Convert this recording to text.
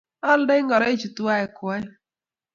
Aaldei ngoroichu tuwai ko oeng'